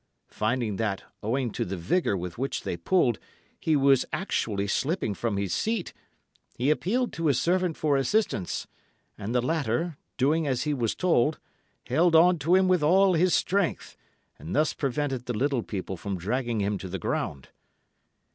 Finding that, owing to the vigour with which they pulled, he was actually slipping from his seat, he appealed to his servant for assistance; and the latter, doing as he was told, held on to him with all his strength, and thus prevented the little people from dragging him to the ground.